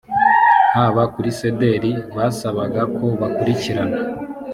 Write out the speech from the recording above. haba kuri cdr basabaga ko bakurikirana